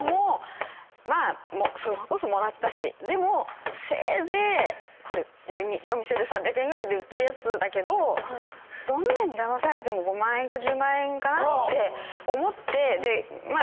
まあそれこそもらったしでもせいぜい夜店で３００円ぐらいで売ってるやつだけどどんなにだまされても５万円か１０万円かなって思ってでまあしてたんですよ